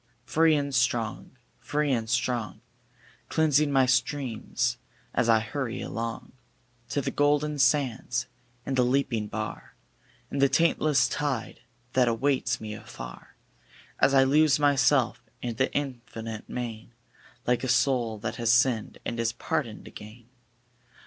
Free and strong, free and strong, Cleansing my streams as I hurry along To the golden sands, and the leaping bar, And the taintless tide that awaits me afar, As I lose myself in the infinite main, Like a soul that has sinned and is pardoned again.